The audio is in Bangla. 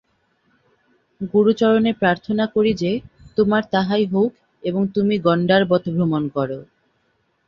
গুরুচরণে প্রার্থানা করি যে তোমার তাহাই হউক এবং তুমি গণ্ডারবৎ ভ্রমণ কর।